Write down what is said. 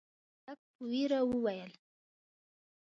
هلک په وېره وويل: